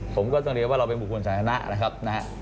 ผมก็ต้องเรียกว่าเราเป็นบุคคลสาธารณะนะครับนะฮะ